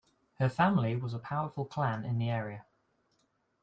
Her family was a powerful clan in the area.